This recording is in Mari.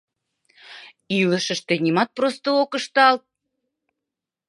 Илышыште нимат просто ок ышталт!